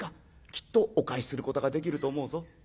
きっとお返しすることができると思うぞ。